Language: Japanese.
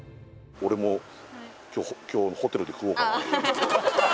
俺も今日ホテルで食おうかなああ